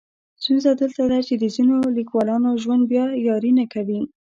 ستونزه دلته ده چې د ځینو لیکولانو ژوند بیا یاري نه کوي.